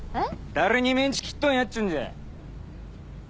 誰にメンチ切っとんやっちゅうんじゃ。